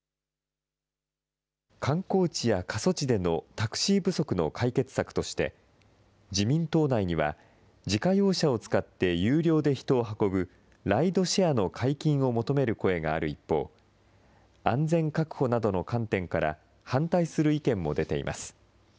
観光地や過疎地でのタクシー不足の解決策として、自民党内には、自家用車を使って有料で人を運ぶライドシェアの解禁を求める声がある一方、安全確保などの観点から、反対する意見も出ています。